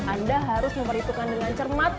anda harus memperhitungkan dengan cermat